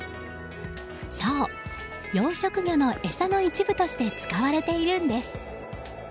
そう、養殖魚の餌の一部として使われているんです。